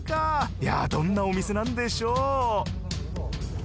いやぁどんなお店なんでしょう。